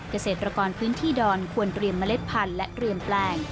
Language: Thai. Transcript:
เกษตรกรพื้นที่ดอนควรเตรียมเล็ดพันธุ์และเรียมแปลง